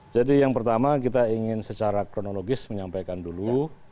yang pertama kita ingin secara kronologis menyampaikan dulu